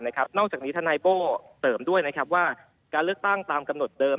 นอกจากนี้ทนายโบ้เสริมด้วยว่าการเลือกตั้งตามกำหนดเดิม